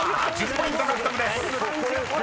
１０ポイント獲得です］